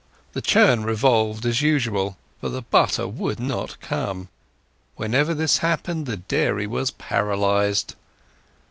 The churn revolved as usual, but the butter would not come. Whenever this happened the dairy was paralyzed.